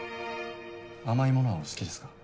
甘いものはお好きですか？